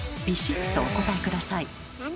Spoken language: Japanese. ビシッとお答え下さい。